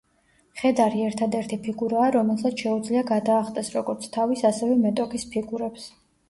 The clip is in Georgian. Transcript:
მხედარი ერთადერთი ფიგურაა რომელსაც შეუძლია გადაახტეს როგორც თავის, ასევე მეტოქის ფიგურებს.